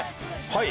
はい。